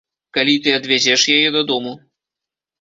Калі ты адвязеш яе дадому.